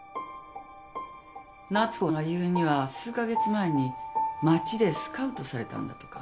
夏子が言うには数カ月前に街でスカウトされたんだとか。